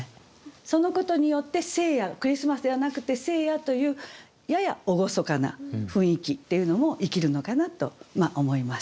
そのことによって「クリスマス」ではなくて「聖夜」というやや厳かな雰囲気っていうのも生きるのかなと思います。